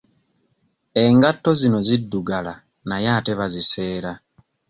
Engatto zino ziddugala naye ate baziseera.